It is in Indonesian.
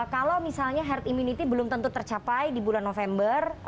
kalau misalnya herd immunity belum tentu tercapai di bulan november